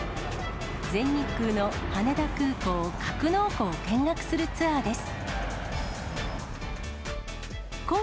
全日空の羽田空港格納庫を見学するツアーです。